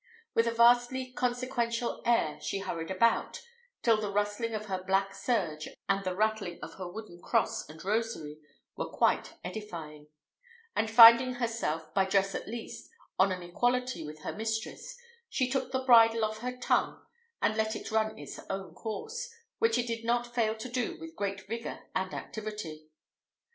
With a vastly consequential air she hurried about, till the rustling of her black serge and the rattling of her wooden cross and rosary were quite edifying; and finding herself, by dress at least, on an equality with her mistress, she took the bridle off her tongue and let it run its own course, which it did not fail to do with great vigour and activity.